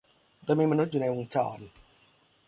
โดยมีมนุษย์อยู่ในวงจร